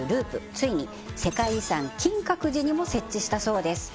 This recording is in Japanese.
ついに世界遺産金閣寺にも設置したそうです